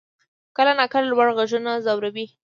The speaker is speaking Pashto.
کله ناکله لوړ غږونه ځوروي.